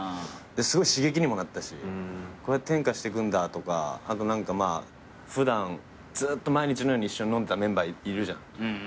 すごい刺激にもなったしこうやって変化してくんだとかあと何かまあ普段ずっと毎日のように一緒に飲んでたメンバーいるじゃん。